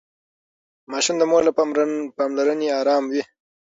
ماشوم د مور له پاملرنې ارام وي.